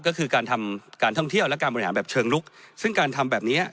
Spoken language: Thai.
ก็คือการทำการท่องเที่ยวและการบริหารแบบเชิงลุกซึ่งการทำแบบเนี้ย